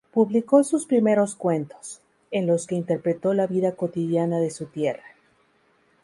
Publicó sus primeros cuentos, en los que interpretó la vida cotidiana de su tierra.